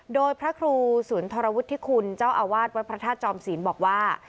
โดยพระครูศูนย์ธรวทิคุณเจ้าอาวาสวัสดิ์พระพระธาตุจอมศีลบอกว่า